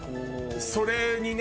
それにね